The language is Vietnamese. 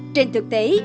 trên thực tế